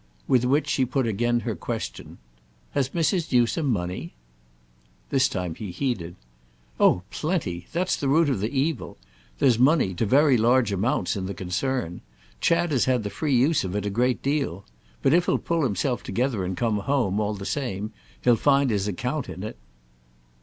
With which she put again her question. "Has Mrs. Newsome money?" This time he heeded. "Oh plenty. That's the root of the evil. There's money, to very large amounts, in the concern. Chad has had the free use of a great deal. But if he'll pull himself together and come home, all the same, he'll find his account in it."